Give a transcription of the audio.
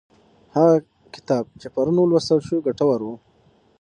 هغه کتاب چې پرون ولوستل شو ګټور و.